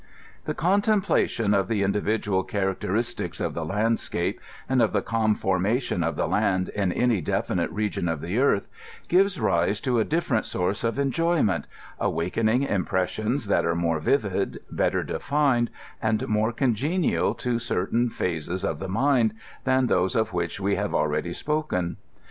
The contemplation of the individual characteristics of the landscape, and of the conformation of the land in any definite region of the earth, gives rise to a diflerent source of enjoy ment, awakcQing impressions that are more vivid, better de fined, and more congenial to certain phases of the mind, than those of which we have already spoken.